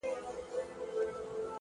د زغم ځواک د شخصیت نښه ده,